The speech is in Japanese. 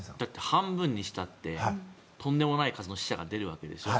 半分にしたってとんでもない数の死者が出るわけでしょ。